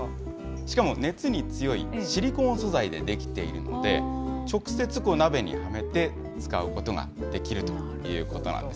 しかも熱に強いシリコン素材で出来ていて、直接鍋にはめて、使うことができるということなんです。